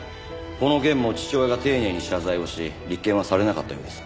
この件も父親が丁寧に謝罪をし立件はされなかったようです。